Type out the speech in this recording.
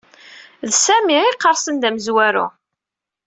D Sami ay iqersen d amezwaru.